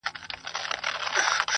بس دعوه یې بې له شرطه و ګټله.